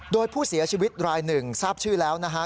โดยผู้เสียชีวิตรายหนึ่งทราบชื่อแล้วนะฮะ